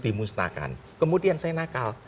dimusnahkan kemudian saya nakal